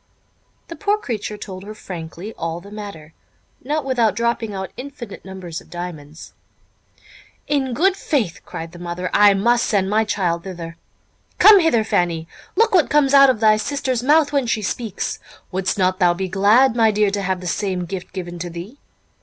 The poor creature told her frankly all the matter, not without dropping out infinite numbers of diamonds. "In good faith," cried the mother, "I must send my child thither. Come hither, Fanny, look what comes out of thy sister's mouth when she speaks! Would'st not thou be glad, my dear, to have the same gift given to thee?